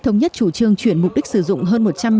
thống nhất chủ trương chuyển mục đích sử dụng hơn